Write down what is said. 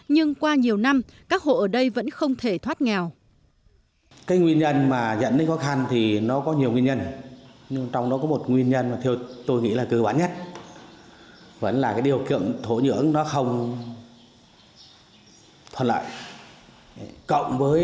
nhưng qua nhiều năm các hộ ở đây vẫn không thể thoát nghèo